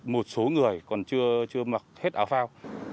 một số người còn chưa mặc hết áo phao